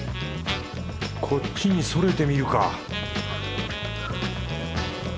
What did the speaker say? こっちにそれてみるか？